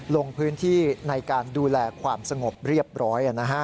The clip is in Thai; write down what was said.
ลงพื้นที่ในการดูแลความสงบเรียบร้อย